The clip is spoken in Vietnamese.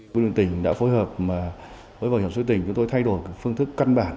bộ đồng tỉnh đã phối hợp với bảo hiểm xã hội tỉnh chúng tôi thay đổi phương thức cân bản